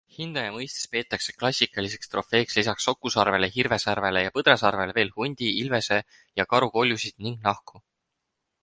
Hindaja mõistes peetakse klassikaliseks trofeeks lisaks sokusarvele, hirvesarvele ja põdrasarvele veel hundi, ilvese ja karu koljusid ning nahku.